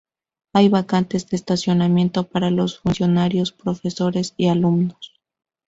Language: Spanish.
Hay vacantes de estacionamiento para los funcionarios, profesores y alumnos.